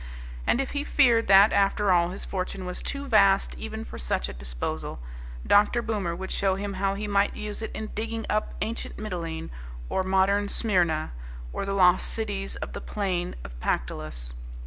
And if he feared that, after all, his fortune was too vast even for such a disposal, Dr. Boomer would show him how he might use it in digging up ancient Mitylene, or modern Smyrna, or the lost cities of the Plain of Pactolus.